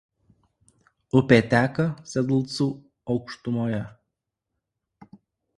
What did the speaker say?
Upė teka Sedlcų aukštumoje.